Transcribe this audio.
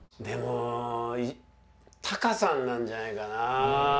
でもタカさんなんじゃないかな？